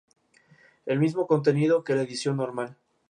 Juega de marcador central y su primer equipo fue San Miguel.